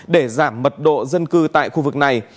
để giảm mật độ dân cư tại khu vực này